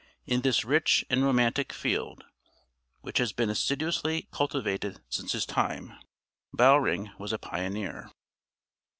In this rich and romantic field, which has been assiduously cultivated since his time, Bowring was a pioneer.